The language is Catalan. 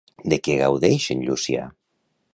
De què gaudeix en Llucià?